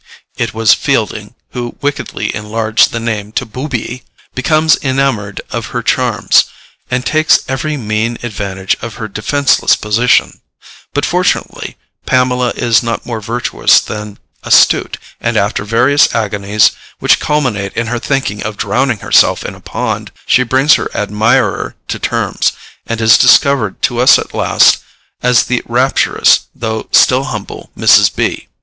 it was Fielding who wickedly enlarged the name to Booby becomes enamoured of her charms, and takes every mean advantage of her defenceless position; but, fortunately, Pamela is not more virtuous than astute, and after various agonies, which culminate in her thinking of drowning herself in a pond, she brings her admirer to terms, and is discovered to us at last as the rapturous though still humble Mrs. B.